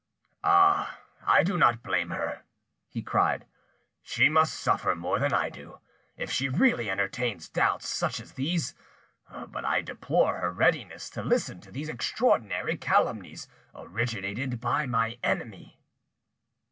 "Ah! I do not blame her," he cried; "she must suffer more than I do, if she really entertains doubts such as these; but I deplore her readiness to listen to these extraordinary calumnies originated by my enemy."